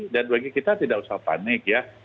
dan bagi kita tidak usah panik ya